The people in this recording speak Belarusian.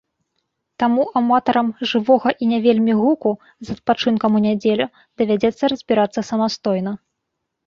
Таму аматарам жывога і не вельмі гуку з адпачынкам у нядзелю давядзецца разбірацца самастойна.